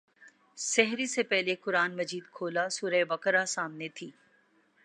سحری سے پہلے قرآن مجید کھولا سورہ بقرہ سامنے تھی۔